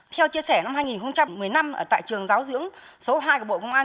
theo chia sẻ năm hai nghìn một mươi năm tại trường giáo dưỡng số hai của bộ công an